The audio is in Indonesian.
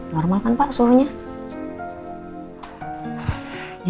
normal kan pak semuanya